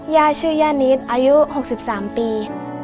ย่าชื่อย่านิดอายุ๖๓ปี